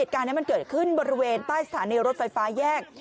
เหตุการณ์นี้มันเกิดขึ้นบริเวณใต้สถานีรถไฟฟ้าแยก